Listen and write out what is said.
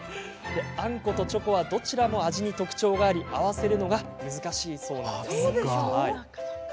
あんことチョコはどちらも味に特徴があり合わせるのが難しいそうです。